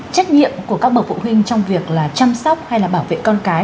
trách nhiệm của các bậc phụ huynh trong việc là chăm sóc hay là bảo vệ con cái